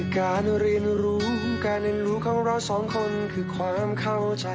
การเรียนรู้การเรียนรู้ของเราสองคนคือความเข้าใจ